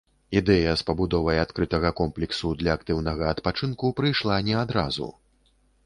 Ідэя з пабудовай адкрытага комплексу для актыўнага адпачынку прыйшла не адразу.